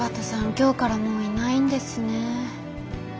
今日からもういないんですねえ。